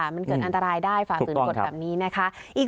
มันเกิดอันตรายได้ฝ่าฝืนกฎแบบนี้นะคะ